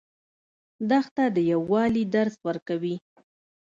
دښته د یووالي درس ورکوي.